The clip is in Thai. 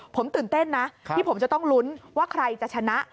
ผมตื่นเต้นนะที่ผมจะต้องลุ้นว่าใครจะชนะ